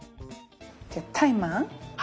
じゃあタイマー。